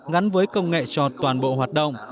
gắn với công nghệ cho toàn bộ hoạt động